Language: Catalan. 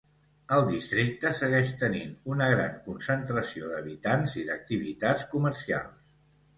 El districte segueix tenint una gran concentració d'habitants i d'activitats comercials.